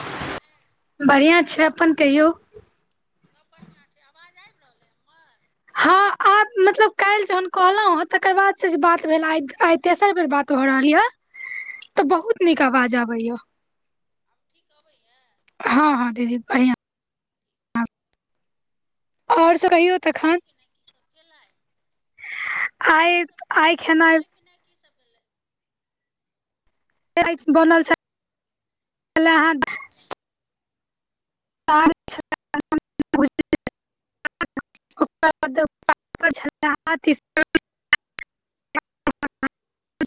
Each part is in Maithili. की हाल छै? बढ़ियां छै अप्पन कहियौ? सब बढ़ियां छै आवाज आबि रहल अइ हमर? हँ आ मतलब काइल्ह जहन कहलहु हँ तकर बाद से जे बात भेल आइ तेसर बेर बात भऽ रहल यऽ। तऽ बहुत नीक आवाज आबैयऽ। आब ठीक अबैये? हँ हँ दीदी बढ़ियां। आओर सब ठीक कहियौ तऽ खेनाइ तखन - पिनाइ की सब भेलय? और आइ सब ठीक आइ छै खेनाइ- पिनाइ की सब भेलै? बनल छै छलेहे [unintelligible] साग [inaudible]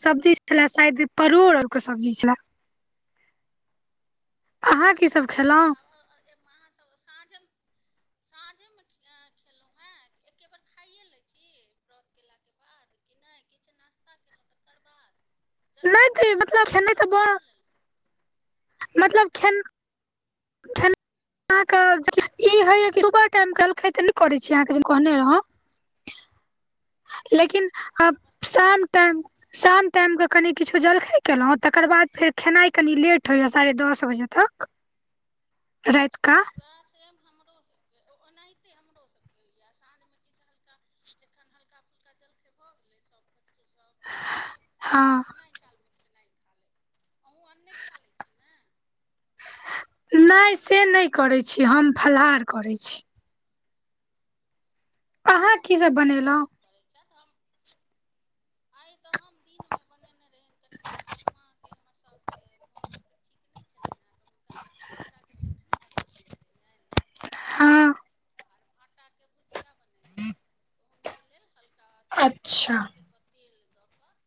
सब्जी छले शायद परोड़ आर के सब्जी छले। अहाँ की सब अच्छा तऽ खेलहुं अहाँसभ साँझ, साँझेमे खेलहुँ हेँ। एके बार खाय ए लै छी व्रत केलाके बाद कि नहि किछु नास्ता केलहुँ तकर बाद। जलखै नहि कऽ तऽ लै छै मतलब कि खेनाइ नहि तऽ खाइए बड़ लेलहुँ। मतलब खेन खेनाइ अहाँके जलखै होइये सुबह टाइम जलखै तऽ नहि करे छी अहाँके कहने रहौं। लेकिन आब हम बतेने शाम रही टाइम शाम टाइमके कनि किछु जलखै केलहुँ तकर बाद फेर खेनाइ कनि लेट होइये साढ़े दस बजे तक। [inaudible] रतिका। त सेम हमरो है। ओनाहिते हमरो सबके होइये साँझ मे किछु हल्का एखन हल्का फुलका जलखै खेबऽ गेलै सभ बच्चो सभ हमहु सभ, आ हँ खेनाइ कालमे खेनाइ खा लेब। अहुं अन्ने खा लैत छी ने? नहि से नहि करैत छी, हम फलाहार करैत छी। अहाँ की सब बहुत कर, बनेलहुं। लोक करै छथि हम आइ तऽ हम दिनमे बनेने रहयैन कनि माँ माँके हमर साउसके मोन ओते ठीक नहि छलनि हें तऽ हुनका पपीता के चटनी बना देने रहियैन हँ आ आटाके भुजिया बनेने रही, हुनके लेल हल्का अच्छा कनिके क तेल दऽ कऽ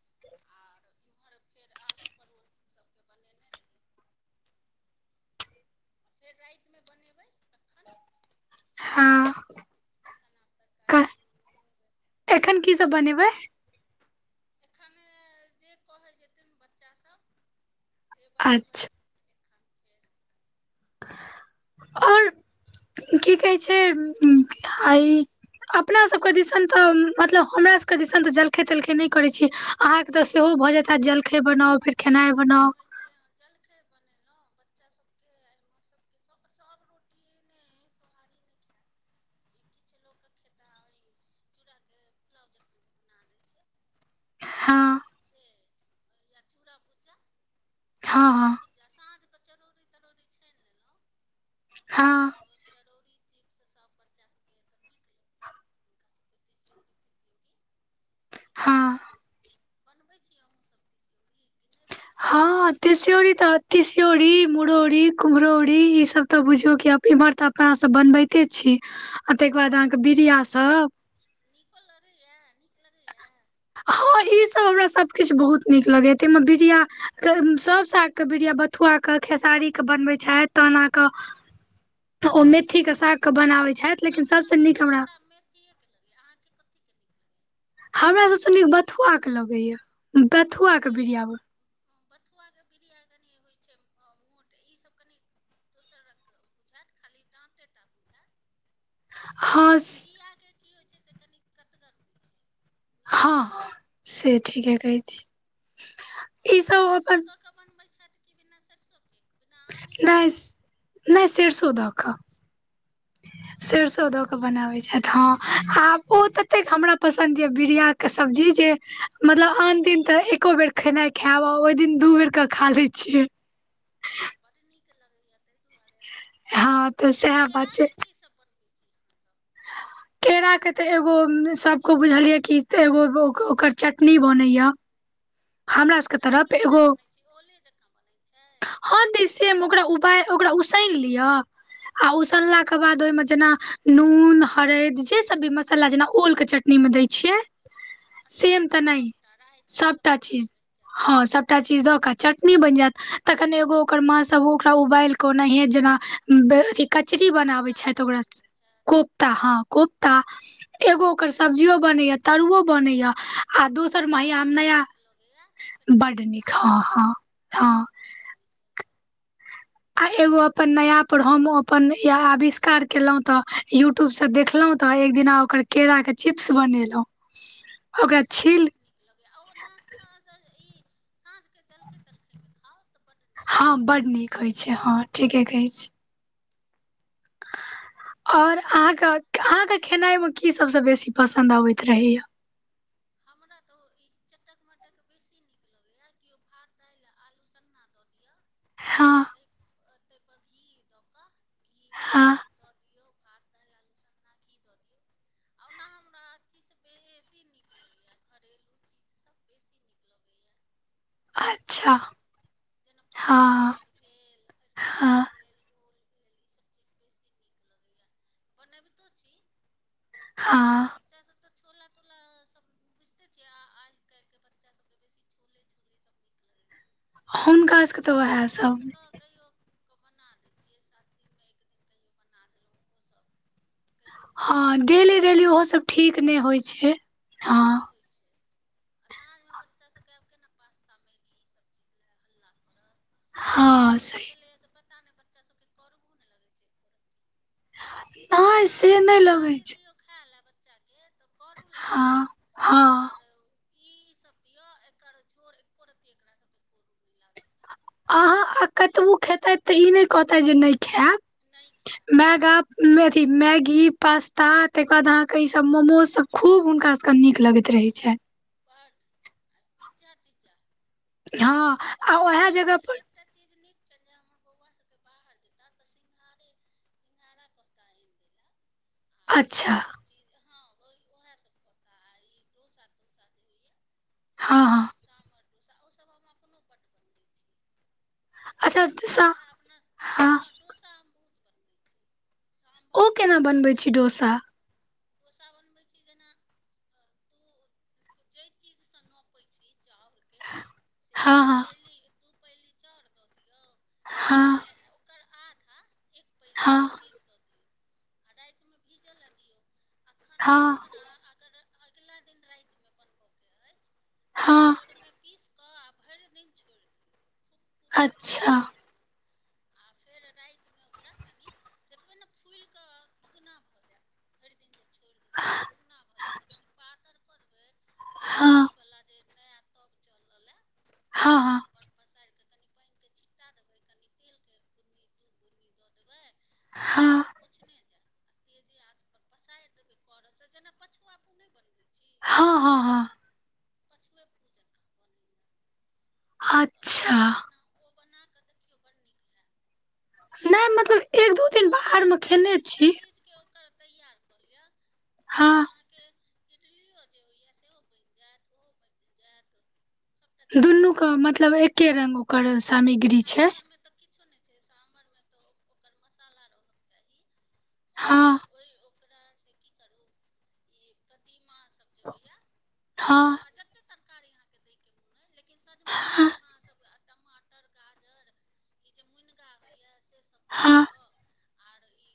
और इम्हर फेर आलू परोर सबके बनेने रही। फेर रातिमे बनेबै तखन। हँ। खाना तरकारी क तीमन। बनेबै एखन की सब बनेबै। एखन जे कहै जेथिन बच्चा सभ से बनेबै। अच्छा एखन। फेर और की कहै छै, आइ अपना सभके दिसन तऽ, मतलब हमरा सभके दिसन तऽ जलखै तलखै नहि करै छै। अहाँके तऽ सेहो भऽ जैत हैत, जलखइ बनाउ फेर खेनाइ बनाउ। जे जलखै बनेलहुँ बच्चा सबके एमहर सबके सभ रोटी टी नै सोहारी नै खैत। इ किछु लोग के खेता, चूड़ा के पुलाव जेकां बना दै छियै। हँ। से, या चूड़ा भूजल। हँ हँ। या साँझके चरौड़ी तरौड़ी छानि लेलहुँ। हँ। और चरौरी चिप्स सभ बच्चाभके तऽ नीक लगै छै। हुनका सबके तिसियौरी तिसियौरी। नीक हँ लगैत छै। बनबैत छी अहुंसभ तिसियौरी कि नहि बनाबैत छी। तसियोरी त तिसियौरी, मुरौरी, कुम्हरौरी ई सब तऽ बुझियौ क अप इमहर त अपना सब बनबैते छी आ तकर बाद अहाँके बिरिया सब। नीको लगैया नीक लगैया। हँ ई सब हमरा सब किछ बहुत निक लगेया ते में बिड़िया सब साग के बिड़िया बता। बथुआ के खेसारी के बनबे छथ तहन आक। [inaudible] ओ मेथीके सागके बनाबैत छथ लेकिन सभसँ नीक हमरा। के लगैया अहाँ के कथि के नीक। लगैए हमराससँ नीक प्रिय बथुआके लगैएा। हँ कनि। बथुआके बिड़िया कनि होइ छै मोट ईसभ कनी। दोसर रके बुझायत खाली डाँटेटा बुझायत। आ कनि हँ बिरियाकी होइत छै से कनि कतगर होइत छै। नीक होइ छै हँ से ठिके कहै छी। ओ ई तऽ सब अपन सरिसो दऽ कऽ बनबैत छथि कि बिना सरिसोक के। नहि नहि सेरसौधक। तहन तऽ सरसो दऽ नीक के होइ छै बनाबै छथ। हँ आ ओ ततेक हमरा पसन्द यऽ बिड़ियाके सब्जी जे। मतलब आन दिन तऽ एको बेर खेनाइ खायब आ ओहि दिन दू बेर के खा लैत छियै। हम तऽ बड्ड नीक लगैएा ताहि दुआरे हँ तऽ आ सएह बात छै केराके कीसभ बनबैत छी। अहाँसभ केरा के ते एगो सबको बुझलिये की एगो ओकर चटनी बन या [inaudible] हमरा सबके चटनी तरफ केना एगो। बनै छै ओले जकाँ बनैत छै। हँ तैसे हम ओकरा उब ओकरा उसान लिअ। आ उसलला के बाद ओहिमें जेना नून हरद जे सब भी मसाला जेना ओल के चटनी। दए छिए खट्टा सेम तट्टा तेनाहे सभटा राइ ताइ सबटा सभटा चीज मिरचाइ हं सबटा चीज। टा चीज दा क चटनी बनि जायत। तखन एगो ओकर माँ सब ओकरा उबाल के ओनाहिे जेना अथि। कचरी बनाबै कोफ्ता छथि जकाँ ओकरा बनबै छथि कोफ्ता हाँ। कोफ्ता एगो ओकर सब्जियो बनैया तरुओ बनैया। आ हँ दोसर महम डालना बड्ड नया नीक लगैए सपेटा बड नीक हँ हँ हँ। बड़ नीक लगेया। आ एगो। अपन नया परर हम अपन आविष्कार केलहुँ तऽ यूट्यूबसँ देखलहुँ तऽ एक दिना ओकर। केरा के चिप्स बनेलहुं। चिप्स त‌ बड नीक। लगैय ओ नाास्ता ई साँझके जलखै तलखैमे खाउ तऽ बड्ड नीक। हँ लागत बड नीक होइ छै हँ ओ ठीके कहै छी। चिप्ससभ आओर अहाँके सएहसभ बनल अहाँके खेनाइमे की सभसँ बेसी पसन्द अबैत रहैया। हमरा तऽ ओ ई चटक मटक बेसी नीक लगेया कयौ भात दालि आ आलू सन्ना दऽ दिय। आ हँ तय तयपर घी दोक घी हँ धोक। दऽ दिऔ भात दालि आलू सन्ना घी दऽ दीयौ। आर ओना हमरा अथीसँ बेसी नीक। नीक लगैए घरेलू चीज सब बेसी नीक लगैए। अच्छा इएहसब जेना पटुआ हँ साग भेल अरकोच हँ भेल ओल। भेल ईसभ चीज बेसी नीक लगैया बनैबितो छी। आ हँ बच्चा सब तऽ छोला-तोला सब बुझिते छियै आ आई काल्हिके बच्चा सबके बेसी छोले छोले सब नीक लगै छै। हुनका तऽ सबके त ओहे एक सब दिनके कहियो क बना दै छियै सात दिनमे एक दिन कहियो बना देलौ ओहो सब कहियो अ‌ हँ भऽ गेल डेली डेली ओहो माछो-ताछ सब भऽ ठीक गेल नहि होइ छै। नहि हँ होए छै। आ साँझमे बच्चा सबके आब केना पास्ता मैगी इसब चीज लै हल्ला करत हँ मैगी आबि सही गेलैए से पता नहि बच्चा सबके करुओ नहि लगै छै एको रत्ती नहि से नहि लगै छै। खैले बच्चाके तऽ करू लागत हँ हँ आर ईसब दियो एकर झोर एको रत्ती एकर सबके करू लागल छै झोड़ पियत तैय ई नहि कहता जे नहि खैब नहि खायत मैगा मैं अथी मैगी पास्ता तकर बाद अहाँ के ई सब मोमोज सब खूब हुनका के नीक लगैत रहै छैन। बड आ पिज्जा-तिज्जा हँ आ ओहे जगह पर एकटा चीज नीक छैन। जै हमर बौआ सभके बाहर जेताह तऽ सिंघारे सिंंघारा कहता आइन दैयले आर अच्छा ईसब चीज हँ ओहेसब कहता आ ई डोसा-तोसा जे होइए से हँ सब हँ चीज सामर डोसा ओसब हम अपनो बड्ड बनबै छी बड़ा अच्छा जे डोसा होइए अपना हँ डोसा हम बहुत बनबै छी। सामभर ओ केना डोसा बनबै छी चटनी डोसा डोसा बनबै छी जेना अऽ तु जई चीज सऽ नोपे छी चाउर के हँ दू हँ पैली दू पैली चाउर दऽ दियऔ आ हँ ओहिमे ओकर आधा एक पैली हँ उड़ीद दऽ दियौ आ रातिमे भीजऽ लै दियौ। अखन हँ। कखन अहाँ अगर अगिला दिन रातिमे बनबके अछि। तऽ हँ। भोरमे पीस कऽ आ भरि दिन छोड़ि दियौ खुब कुरकुर अच्छा नीक बोनत। आ फेर रातिमे ओकरा कनि देखबै ने। फूल कऽ दुगुना भऽ जैत। भरि दिन जे छोड़ि देबै। तऽ दुगुना भऽ जैत तऽ। कनि पातर कऽ देबै। आर हँ ईबला जे नया तब चललै। ओहि हँ हँ तबपर पसारि कऽ कनि पानिके। छिट्टा देबै कनि तेलके बुंदी दू- पूनी दऽ देबै आ कपड़ा हँ सब पोछने जेब आ तेजे आंच पर पसारि देबे करछ से जेना पछुवा पु ने बनवे छी। हँ हँ हँ पछुए पु जेना तऽ ओ अच्छा बना ओ बनाकऽ देखियौ बड्ड नीक। हैत नै मतलब। एक दू ओ दिन बाहरमे एकटा खेने एकटा छी चीजके ओकर तैयार कऽ लिय ओहिसँ हँ अहाँके इडलिओ जे होइए सेहो बनि जैत ओहो बच जैत दुनू के मतलब एके रंग ओकर आ सामग्री छै। साम्भरमे तऽ किछो नहि छै साम्भरमे तऽ ओकर मसाला रहके चाही। हँ आर ओहि ओकरासे की करू ई कदीमा जे होइये, हँ कदीमा जते तरकारी अहांके दै के मोन अछि, लेकिन लेकिन सजमनि हँ कदीमा सब टमाटर गाजर ई जे मुनगा होइए से सब दऽ कऽ हँ आर ई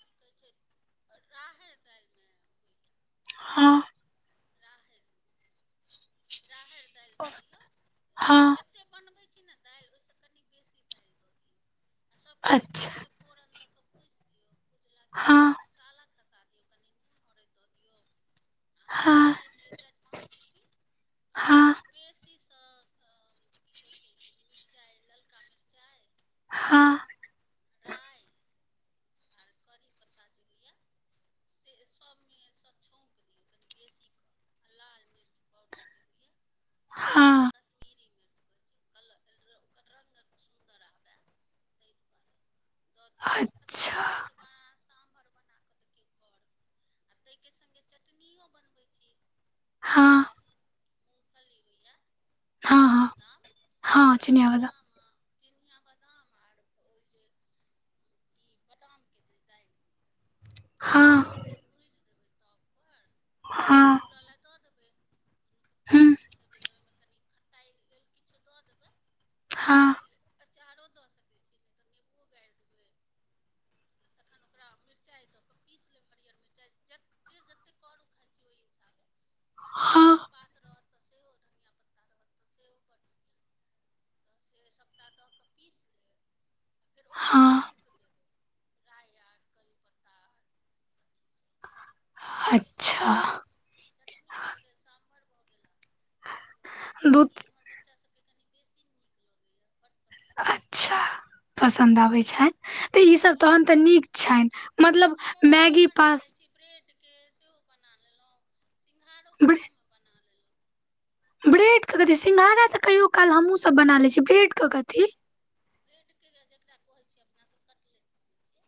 की कहै छै राहरि दालिमे होइया हँ। राहरि मे। राहरि दालि द दियौ, हँ जते बनबै छी ने दालि ओहिसं कनि बेसी दालि द दियौ सब एके अच्छा फोरन दय के भुजि दियौ, भुजला के बाद हँ ओ मसाला खसा दियौ कनि, हरैद दऽ दियौ आ हँ। फेर दियौ चारि पांच सीटी आ हँ खूब बेसीसँ की कहै छै ई मिर्चाइ, ललका मिर्चाई हँ। राई आर करी पत्ता जे होइये से सभ मेसँ छौँक दियौ, कनि बेसी कऽ आ लाल मिर्च पाउडर जे होइये हँ कश्मीरी मिर्च होइ छै, ओकर रङ्ग सुन्दर आबय तै दुआरे। दियौ अच्छा। तऽ अहां सांभर बनाकऽ देखियौ घर आ तै के संगे चटनियो बनबै छियै। ई जेे हँ मूँगफली होइए हँ चिनिया हँ बदाम, हँ चिनिया वाला बदाम चिनिया बदाम आर ओ जे ई बादामके जे दालि होइये तकरा हँ कनि भुजि देबै हँ। फुलै ले दऽ देबै ओहिमे पीस हुँ देबै ओहिमे कनि खटाइ लेल किछो दऽ देबै, हँ खटाइ लेल अचारो दऽ सकैत छी नहि तऽ नेबोओ गारि देबै तखन ओकरा मिरचाइ दऽ कऽ पीस लेब हरियर मिरचाइ जे जतेक करू खाइत छी ओहि हिसाबे आ धनी के हँ पात रहत तऽ सेहो धनिया पत्ता रहत तऽ सेहो पर तऽ से सभटा दऽ कऽ पीस लेब आ फेर ओकरो हँ छौँकऽ देबै राइ आर करिपत्ता आर अथि सभसे अच्छा। तऽ चटनी भऽ गेल, साम्भर भऽ गेल, डोसा भऽ गेल ई दूध हमर बच्चा सभके के कनि बेसी नीक लगैए। बड पसिन छै। अच्छा, पसन्द आबैत छै। तऽ हँ ईसभ बड्ड तखन तऽ लगै नीक छै छनि, मतलब हम ओहो मैगी बना लै पास छी ब्रेडके सेहो बना लेलहुँ, सिंघारो घरेमे बना लेलहुँ। ब्रेडके कथी, सिंघाड़ा तऽ कहिओ काल हमहूँ सब बना लै छी, ब्रेडके कथी। ब्रेड के जेकरा कहै छै अपना सब कटलेट कहै छै।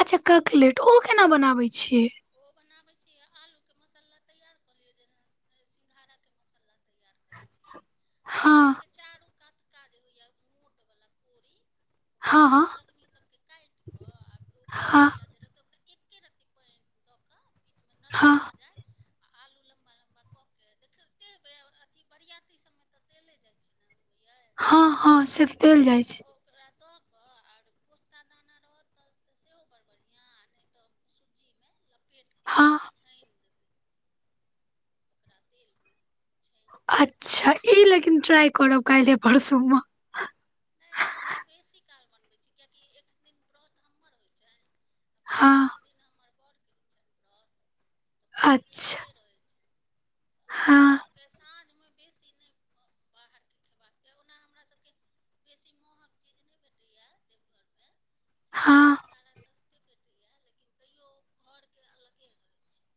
अच्छा ककलेट ओ केना बनाबै छियै। ओ बनाबैय छीयै आलूके मसल्ला तैयार कऽ लियऽ जेना सिंघाड़ा के मसल्ला तैयार करै छी आ हँ ब्रेडके चारू कातका जे होयया मोटवला कोरी। हँ कोरी हँ कगनी सबके काएट कऽ आ ओ बीच हँ बला जे रहतै ओकरा एके रती पेएन मे दऽ कऽ बीच मे नरम भऽ हँ जाय आलू लम्बा-लम्बा कऽ के देखते हेबै अ अथी बरियाती सब मे तऽ देले जाय छै नै। यै हां-हां से तऽ देल जाय तऽ छै। ओकरा दऽ कऽ आर पोस्ता दाना रहत तऽ सेहो बड़ बढ़ियाँ आ नै तऽ सुज्जी मे लपेट कऽ हँ आ छैन देबै, ओकरा तेलमे छैन अच्छा ई लेकिन ट्राय करब काएलहे परसू मे। नै हम बेसी काल बनबै छी कियाएकि एक दिन व्रत हमर होय छैन। प्रदोष हँ दिन हमर बॉड़ के होय छैन ब्रत। त व्रत अच्छा लागले रहै छैन ए हँ सबके सा साँझमे बेसी नै बाहर के खेबाक चाही ओना हमरा सबके बेसी महग चीज ने भेटैयाऽ देवघर मे, हँ सिंघारा-तिंघारा सस्ते भे टे यऽ लेकिन तैयो घर के अलगे रहै छै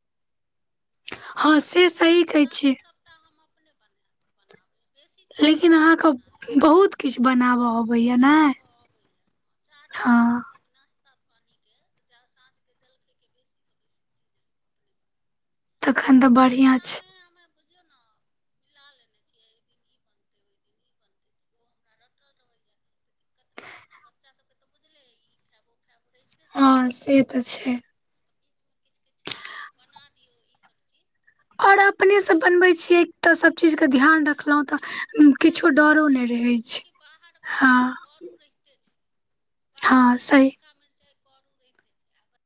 हां से सही कहै छियै। ता हम अपने बनाएब। बनाबै बेसी चीज हम लेकिन अपने बना लै अहाँके छी बहुत किछु बनाबऽ अबैया ने बनाबऽ अबैया। हँ चाट-ताट सब नास्ता पानी के जाउ साँझ के जैलखे के बेसी से बेसी चीज अपने बन तखन तऽ बढ़ियाँ छै। बुझयौ ना मिला लेने छियै एक दिन ई बन ओय दिन ई बनतै त ओ हमरा रटल रहैया त ओते दिक्कत नै ओना बच्चा सबके तऽ बुझले या ई खाएब ओ खाएब भै हां से तऽ छै। किछ-किछ बना दियौ ई सब चीज। तऽ कनि और बच्चा सब अपने से बेसी बनबै छियै तऽ सब चीज के ध्यान रखलौ तऽ सबटा किछो चीज के डरो नहि ध्यान रखलौ रहै छै कियाएकि बाहर वला हँ देखियौ करू रहिते छै। बाहर हँ वला सही ललका मिरचाय करू रहिते छै आ